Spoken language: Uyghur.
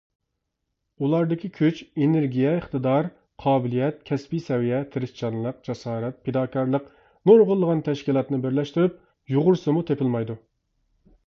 ئۇلاردىكى كۈچ، ئېنېرگىيە، ئىقتىدار، قابىلىيەت، كەسپى سەۋىيە، تىرىشچانلىق، جاسارەت، پىداكارلىق نۇرغۇنلىغان تەشكىلاتنى بىرلەشتۈرۈپ يۇغۇرسىمۇ تېپىلمايدۇ.